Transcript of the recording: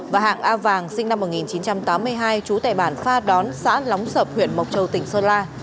và hạng a vàng sinh năm một nghìn chín trăm tám mươi hai chú tệ bản pha đón xã lóng sập huyện mộc châu tỉnh sơn la